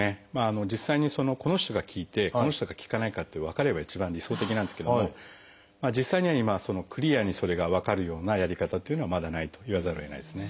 実際にこの人が効いてこの人が効かないかって分かれば一番理想的なんですけども実際には今クリアにそれが分かるようなやり方というのはまだないと言わざるをえないですね。